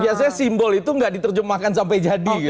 biasanya simbol itu nggak diterjemahkan sampai jadi gitu